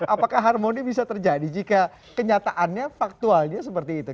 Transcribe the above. apakah harmoni bisa terjadi jika kenyataannya faktualnya seperti itu